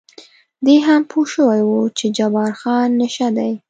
دی هم پوه شوی و چې جبار خان نشه دی.